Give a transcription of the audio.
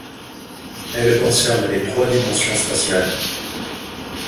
Elle concerne les trois dimensions spatiales.